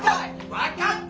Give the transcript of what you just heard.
分かった！